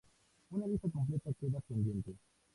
Una lista completa queda pendiente.